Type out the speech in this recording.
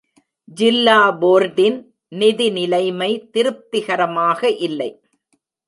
ஜில்லா போர்டின் நிதி நிலைமை திருப்திகரமாக இல்லை.